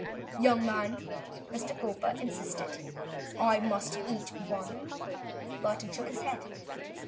"Young man," Mr. Cowper insisted, "I must eat one." Burton shook his head.